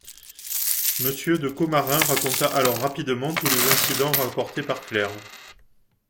Monsieur de Commarin raconta alors rapidement tous les incidents rapportés par Claire.